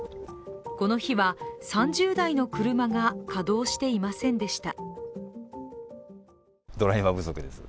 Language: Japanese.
この日は、３０台の車が稼働していませんでした。